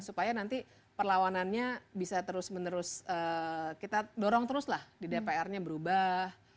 supaya nanti perlawanannya bisa terus menerus kita dorong terus lah di dpr nya berubah